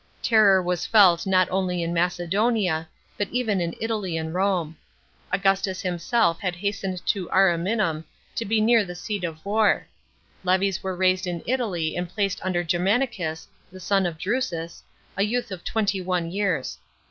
Terror was felt not only in Macedonia, but even in Italy and Borne. Augustus himself had hastened to Ariminum, to be near the seat of war ; levies were raised in Italy and placed under Gennanicus, son of Drusus, a youth of twenty one years.